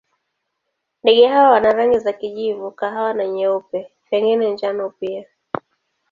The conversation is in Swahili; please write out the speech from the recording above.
Ndege hawa wana rangi za kijivu, kahawa na nyeupe, pengine njano pia.